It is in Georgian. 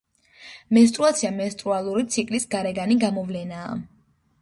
მენსტრუაცია მენსტრუალური ციკლის გარეგანი გამოვლენაა.